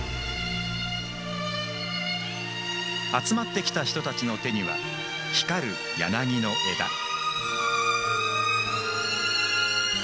集まってきた人たちの手には光る柳の枝。